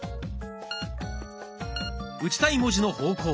打ちたい文字の方向